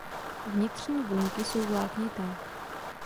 Vnitřní buňky jsou vláknité.